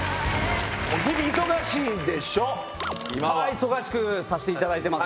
忙しくさせていただいてます。